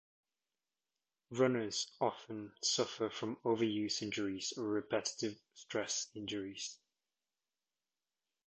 Runners often suffer from overuse injuries or repetitive stress injuries.